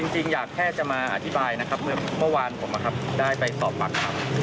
จริงอยากแค่จะมาอธิบายนะครับเมื่อวานผมได้ไปสอบปากคำ